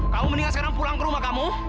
kamu meninggal sekarang pulang ke rumah kamu